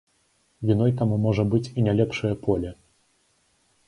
Віной таму можа быць і не лепшае поле.